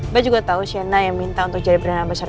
mbak juga tau sienna yang minta untuk jadi perintah besar rumah ratu